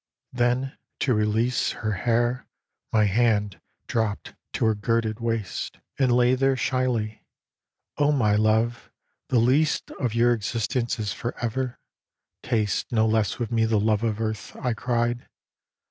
Then to release Her hair, my hand dropped to her girded waist 146 A DREAM OF ARTEMIS And lay there shyly. " O my love, the lease Of your existence is for ever : taste No less with me the love of earth," I cried.